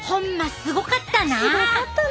すごかったね！